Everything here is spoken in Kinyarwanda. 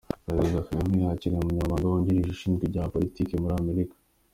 Perezida Kagame yakiriye Umunyamabanga wungirije ushinzwe ibya Politiki muri America